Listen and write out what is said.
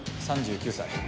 ３９歳。